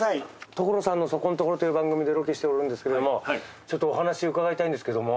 「所さんのそこんトコロ！」という番組でロケしているんですけどもちょっとお話伺いたいんですけども。